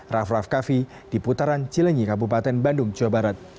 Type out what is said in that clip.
raff raff kaffi di putaran cilenyi kabupaten bandung jawa barat